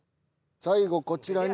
最後こちらに。